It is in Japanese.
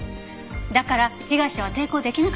だから被害者は抵抗できなかった。